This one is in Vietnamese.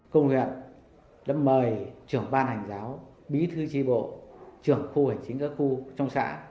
công huyện đã mời trưởng ban hành giáo bí thư tri bộ trưởng khu hành chính các khu trong xã